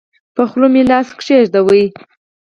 په خوله مې لاس کېښود.